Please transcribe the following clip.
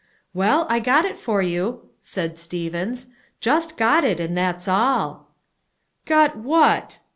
"Well, I got it for you," said Stevens, "just got it, and that's all." "Got what?"